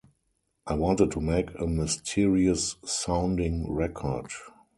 I wanted to make a mysterious sounding record.